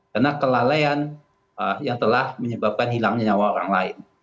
karena kelalaian yang telah menyebabkan hilangnya nyawa orang lain